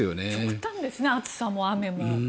極端ですね、暑さも雨も。